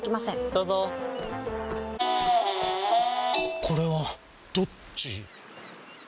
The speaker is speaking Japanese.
どうぞこれはどっち？